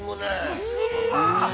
◆進むわ。